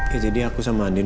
ya jadi aku sama andin